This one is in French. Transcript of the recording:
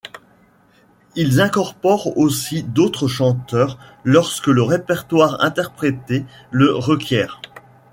Ils incorporent aussi d'autres chanteurs lorsque le répertoire interprété le requiert.